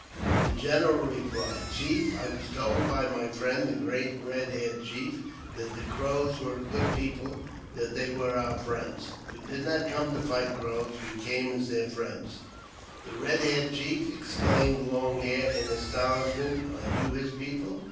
The general replied, Chief, I was told by my friend, the great Eed haired Chief, that the Crows were a good people ; that they were our friends. We did not come to fight the Crows ; we came as their friends." " The Eed haired Chief !" exclaimed Long Hair, in astonish ment ;" are you his people